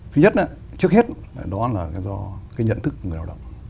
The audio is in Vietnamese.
thứ nhất trước hết đó là do cái nhận thức người lao động